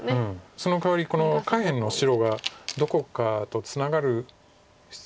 そのかわりこの下辺の白がどこかとツナがる必要が出てくるんです。